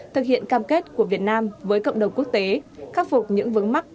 thực hiện cam kết của việt nam với cộng đồng quốc tế khắc phục những vấn mắc